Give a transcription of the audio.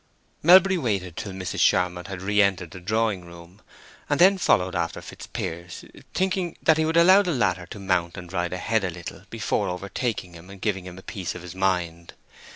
Melbury waited till Mrs. Charmond had re entered the drawing room, and then followed after Fitzpiers, thinking that he would allow the latter to mount and ride ahead a little way before overtaking him and giving him a piece of his mind.